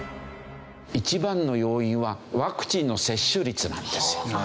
一番の要因はワクチンの接種率なんですよ。